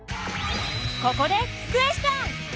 ここでクエスチョン！